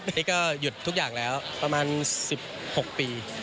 อันนี้ก็หยุดทุกอย่างแล้วประมาณ๑๖ปี